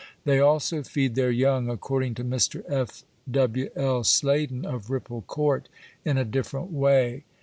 They also feed their young, according to Mr. F. W. L. Sladen, of Ripple Court, in a different way.